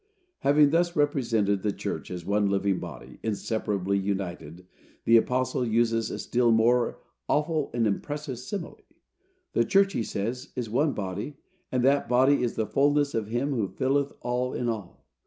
Having thus represented the church as one living body, inseparably united, the apostle uses a still more awful and impressive simile. The church, he says, is one body, and that body is the fulness of Him who filleth all in all.